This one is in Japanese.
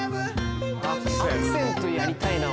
アクセントやりたいな。